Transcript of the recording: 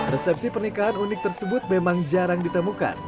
resepsi pernikahan unik tersebut memang jarang ditemukan